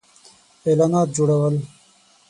-اعلانات جوړو ل